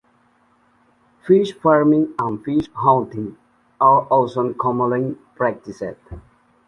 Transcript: Fish farming and fish hunting are also commonly practiced.